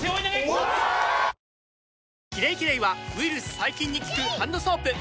「キレイキレイ」はウイルス・細菌に効くハンドソープ！